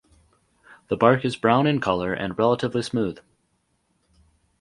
The bark is brown in color and relatively smooth.